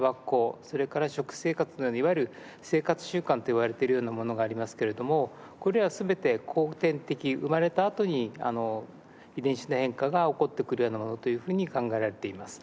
それから食生活いわゆる生活習慣といわれているようなものがありますけれどもこれら全て後天的生まれたあとに遺伝子の変化が起こってくるようなものというふうに考えられています。